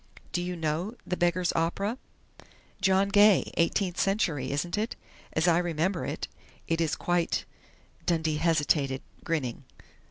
"Do you know 'The Beggar's Opera'?" "John Gay eighteenth century, isn't it?... As I remember it, it is quite " and Dundee hesitated, grinning.